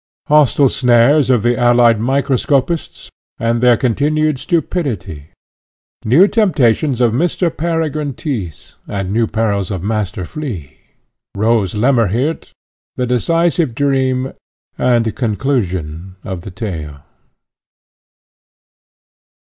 Hostile snares of the allied Microscopists, and their continued stupidity. New temptations of Mr. Peregrine Tyss, and new perils of Master Flea. Rose Lemmerhirt. The decisive dream, and conclusion of the tale.